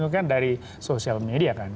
itu kan dari sosial media kan